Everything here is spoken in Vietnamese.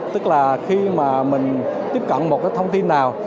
tức là khi mà mình tiếp cận một cái thông tin nào